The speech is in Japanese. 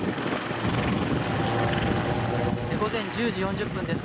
午前１０時４０分です。